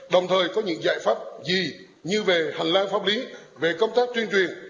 đồng thời có những giải pháp gì như về hành lang pháp lý về công tác tuyên truyền